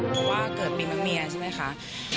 เพราะว่าเกิดปีมะเมียใช่ไหมคะ